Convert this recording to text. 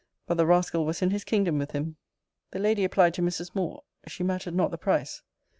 But the rascal was in his kingdom with him. The lady applied to Mrs. Moore; she mattered not the price.